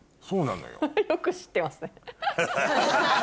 よく知ってますね。